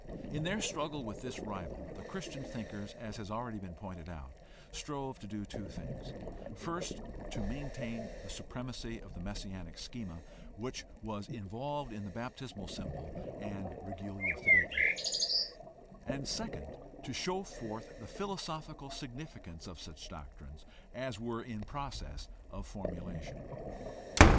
In their struggle with this rival the Christian thinkers, as has already been pointed out, strove to do two things: first, to maintain the supremacy of the messianic schema which was involved in the baptismal symbol and regula fidei; and, second, to show forth the philosophical significance of such doctrines as were in process of formulation.